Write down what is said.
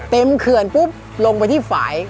เขื่อนปุ๊บลงไปที่ฝ่าย